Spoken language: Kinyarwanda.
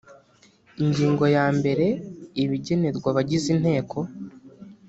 ingingo yambere ibigenerwa abagize inteko